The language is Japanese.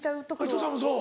伊藤さんもそう？